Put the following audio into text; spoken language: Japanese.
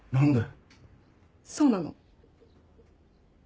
そうなの？